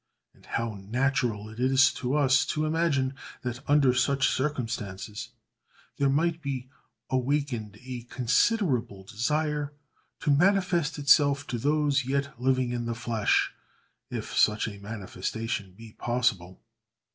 and how natural it is to us to imagine that, under such circumstances, there might be awakened a considerable desire to manifest itself to those yet living in the flesh, if such a manifestation be possible!